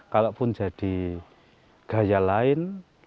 kalaupun jadi gaya lain